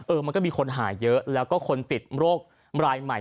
มันก็มีคนหาเยอะแล้วก็คนติดโรครายใหม่